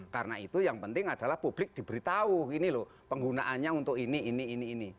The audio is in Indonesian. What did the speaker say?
karena itu yang penting adalah publik diberitahu ini loh penggunaannya untuk ini ini ini